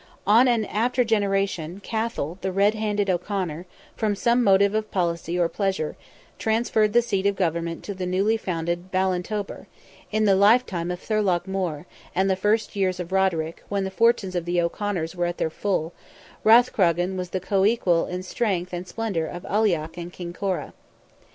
In an after generation, Cathal, the red handed O'Conor, from some motive of policy or pleasure, transferred the seat of government to the newly founded Ballintober: in the lifetime of Thorlogh More, and the first years of Roderick, when the fortunes of the O'Conors were at their full, Rathcrogan was the co equal in strength and in splendour of Aileach and Kinkora.